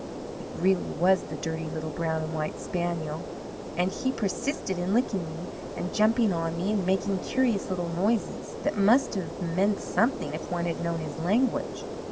"It really was the dirty little brown and white spaniel, and he persisted in licking me, and jumping on me, and making curious little noises, that must have meant something if one had known his language.